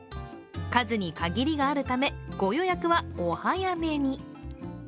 数に限りがあるため、ご予約はお早めに。